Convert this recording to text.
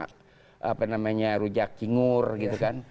apa namanya rujak cingur gitu kan